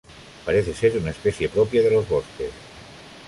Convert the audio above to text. Parece ser una especie propia de los bosques.